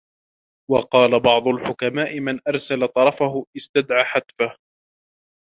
وَقَالَ بَعْضُ الْحُكَمَاءِ مَنْ أَرْسَلَ طَرْفَهُ اسْتَدْعَى حَتْفَهُ